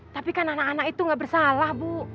tapi kan anak anak itu gak bersalah bu